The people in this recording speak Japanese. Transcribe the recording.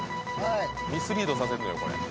ミスリードさせんのよこれ。